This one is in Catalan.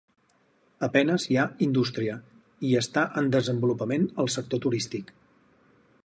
A penes hi ha indústria, i està en desenvolupament el sector turístic.